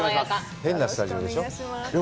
変なスタジオでしょう？